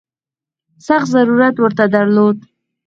سخت ضرورت ورته درلود.